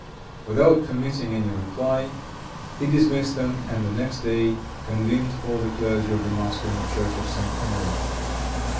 Without permitting any reply he dismissed them, and the next day convened all the clergy of Moscow in the church of St. Mary.